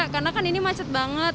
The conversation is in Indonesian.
karena kan ini macet banget